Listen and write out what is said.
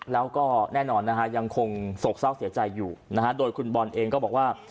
แล้วก็แน่นอนนะฮะยังคงโศกเศร้าเสียใจอยู่นะฮะโดยคุณบอลเองก็บอกว่า